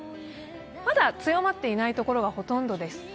まだ強まっていない所がほとんどです。